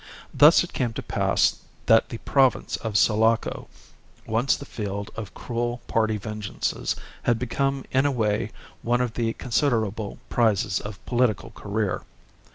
Thus it came to pass that the province of Sulaco, once the field of cruel party vengeances, had become in a way one of the considerable prizes of political career.